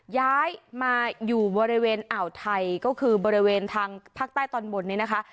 ย้ายมาอยู่บริเวณอ่าวไทยก็คือบริเวณทางภาคใต้ตอนบนนี้นะคะ